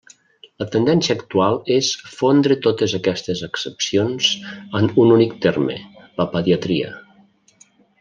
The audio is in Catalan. La tendència actual és fondre totes aquestes accepcions en un únic terme: la pediatria.